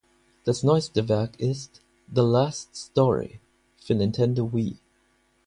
Das neueste Werk ist "The Last Story" für Nintendo Wii.